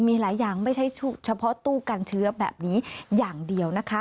มีหลายอย่างไม่ใช่เฉพาะตู้กันเชื้อแบบนี้อย่างเดียวนะคะ